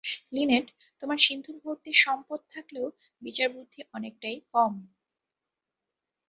Linate, তোমার সিন্দুকভর্তি সম্পদ থাকলেও বিচারবুদ্ধি অনেকটাই কম!